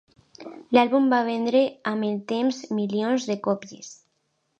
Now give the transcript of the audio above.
L'àlbum va vendre amb el temps milions de còpies.